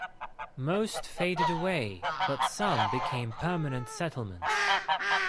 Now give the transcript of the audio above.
Most faded away but some became permanent settlements.